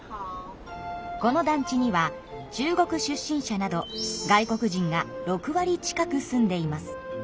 この団地には中国出身者など外国人が６割近く住んでいます。